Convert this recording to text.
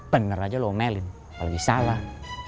bener aja lu omelin apalagi salah